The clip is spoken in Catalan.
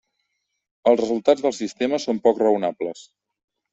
Els resultats del sistema són poc raonables.